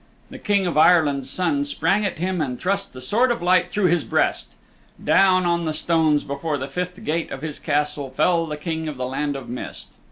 The King of Ireland's Son sprang at him and thrust the Sword of Light through his breast. Down on the stones before the fifth gate of his Castle fell the King of the Land of Mist.